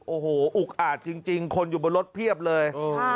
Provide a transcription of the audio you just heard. โอ้โหอุกอาจจริงคนอยู่บนรถเพียบเลย